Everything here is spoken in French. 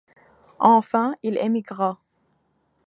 Enfin il émigra.